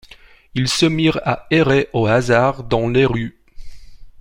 Ils se mirent à errer au hasard dans les rues.